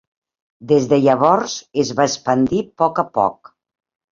Des de llavors, es va expandir poc a poc.